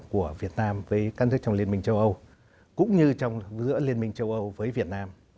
của chúng ta